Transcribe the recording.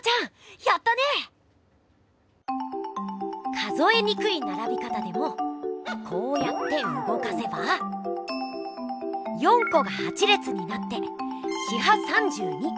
数えにくいならび方でもこうやってうごかせば４こが８れつになって４×８＝３２。